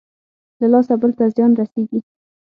له لاسه بل ته زيان رسېږي.